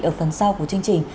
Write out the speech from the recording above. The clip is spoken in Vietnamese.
ở phần sau của chương trình